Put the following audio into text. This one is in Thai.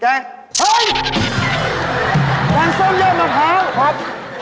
แกงส้มแยกมะพร้าวครับ